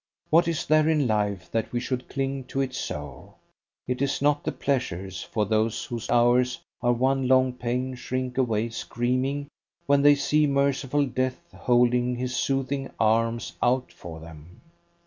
What is there in life that we should cling to it so? It is not the pleasures, for those whose hours are one long pain shrink away screaming when they see merciful Death holding his soothing arms out for them.